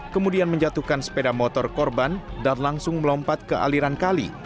kemudian menjatuhkan sepeda motor korban dan langsung melompat ke aliran kali